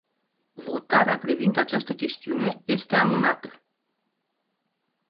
Votarea privind această chestiune este amânată.